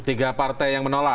tiga partai yang menolak